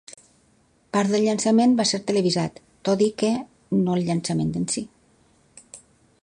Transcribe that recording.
Part del llançament va ser televisat, tot i que no el llançament en si.